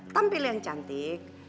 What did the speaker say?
tampil yang cantik